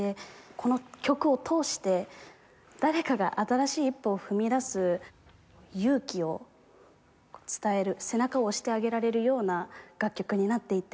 この曲を通して誰かが新しい一歩を踏み出す勇気を伝える背中を押してあげられるような楽曲になっていて。